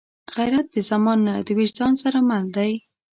غیرت د زمان نه، د وجدان سره مل دی